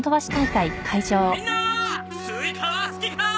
みんなスイカは好きか？